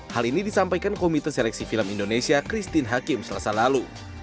hal ini disampaikan komite seleksi film indonesia christine hakim selasa lalu